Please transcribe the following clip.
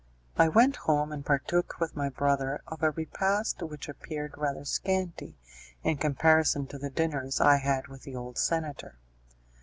I went home and partook with my brother of a repast which appeared rather scanty in comparison to the dinners I had with the old senator.